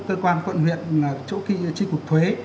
cơ quan quận huyện chỗ khi chi cục thuế